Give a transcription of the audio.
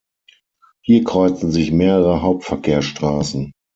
Hier kreuzen sich mehrere Hauptverkehrsstraßen.